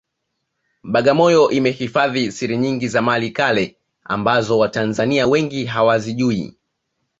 Bagamoyo imehifadhi siri nyingi za mali kale ambazo watanzania wengi hawazijui